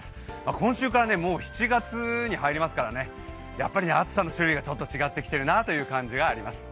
今週からもう７月に入りますから、やっぱり暑さの種類が違ってきているなという感じがあります。